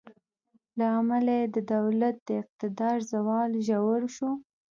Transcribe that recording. له امله یې د دولت د اقتدار زوال ژور شو.